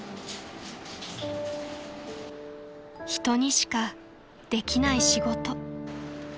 ［人にしかできない仕事］